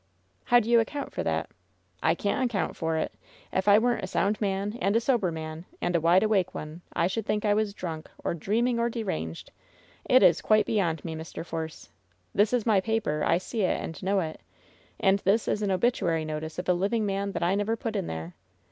"How do you account for that ?" "I can't account for it! If I weren't a sound man. 21« LOVE'S BITTEREST CUP and a sober man, and a wide awake one^ I should think I was drunk, or dreaming, or deranged. It is quite be yond me, Mr. Force. This is my paper — ^I see it, and know it — and this is an obituary notice of a living man that I never put in there